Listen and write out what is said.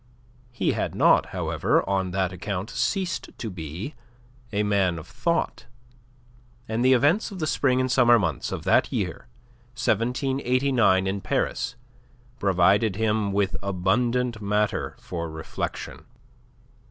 He had not, however, on that account ceased to be a man of thought, and the events of the spring and summer months of that year 1789 in Paris provided him with abundant matter for reflection.